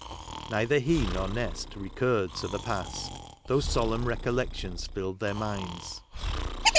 Neither he nor Nest recurred to the past ; though solemn recollections filled their minds.